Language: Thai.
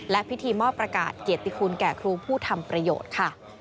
และพิธีมอบประกาศเกียรติคุณแก่ครูผู้ทำประโยชน์ค่ะ